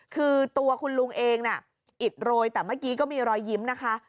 คือตัวคุณลุงเองน่ะอิดโรยแต่เมื่อกี้ก็มีรอยยิ้มนะคะ